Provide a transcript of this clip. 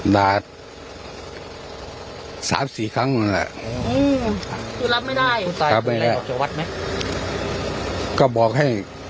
ดาดสามสี่ครั้งนึงแหละอืมคือรับไม่ได้รับไม่ได้ก็บอกให้